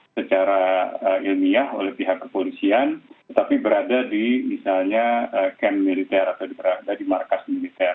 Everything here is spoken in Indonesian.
secara ilmiah oleh pihak kepolisian tetapi berada di misalnya kem militer atau berada di markas militer